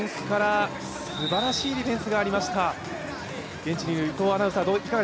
今、すばらしいディフェンスがありました。